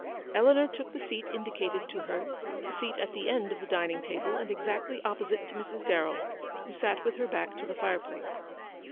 Eleanor took the seat indicated to her, a seat at the end of the dining table, and exactly oppo site to Mrs. Darrell, who sat with her back to the fireplace.